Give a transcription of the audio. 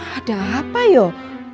ada apa yuk